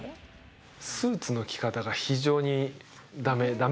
スーツの着方が非常にだめ。